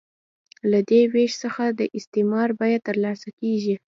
له دې وېش څخه د استثمار بیه ترلاسه کېږي